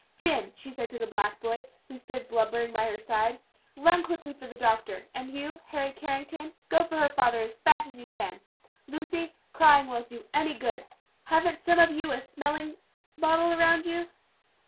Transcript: "Jim," she said to the black boy, who stood blubbering by her side, "run quickly for the doctor. And you, Harry Carrington, go for her father, as fast as you can. Lucy, crying so won't do any good. Haven't some of you a smelling bottle about you?"